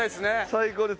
最高です。